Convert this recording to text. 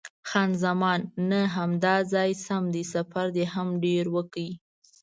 خان زمان: نه، همدا ځای سم دی، سفر دې هم ډېر وکړ.